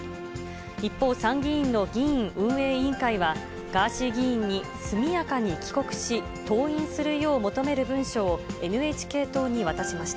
一方、参議院の議院運営委員会は、ガーシー議員に速やかに帰国し、登院するよう求める文書をＮＨＫ党に渡しました。